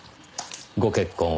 ご結婚は？